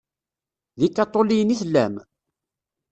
D ikaṭuliyen i tellam?